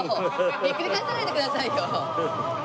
ひっくり返さないでくださいよ。